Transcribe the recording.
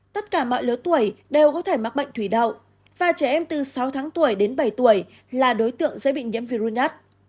tất cả mọi lứa tuổi đều có thể mắc bệnh thủy đậu và trẻ em từ sáu tháng tuổi đến bảy tuổi là đối tượng dễ bị nhiễm virus